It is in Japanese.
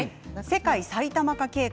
世界埼玉化計画